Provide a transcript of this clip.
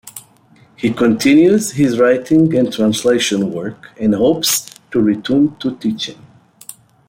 He continues his writing and translation work and hopes to return to teaching.